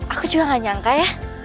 aku juga gak nyangka ya